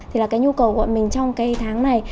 thì là cái nhu cầu của mình trong cái tháng này